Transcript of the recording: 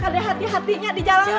kade hati hatinya di jalanan ya